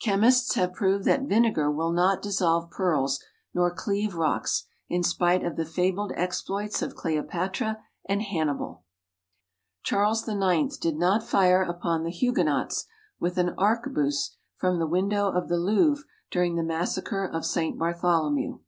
Chemists have proved that vinegar will not dissolve pearls nor cleave rocks, in spite of the fabled exploits of Cleopatra and Hannibal. Charles IX did not fire upon the Huguenots with an arquebus from the window of the Louvre during the massacre of St. Bartholomew.